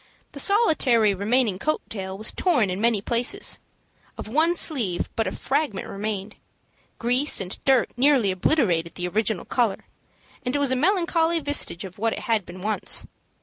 The solitary remaining coat tail was torn in many places; of one sleeve but a fragment remained; grease and dirt nearly obliterated the original color; and it was a melancholy vestige of what it had been once.